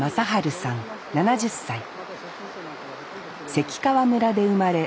関川村で生まれ